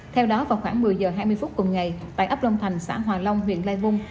theo đó vào khoảng một mươi giờ hai mươi phút cùng ngày tại ấp long thành xã hòa long huyện lai vung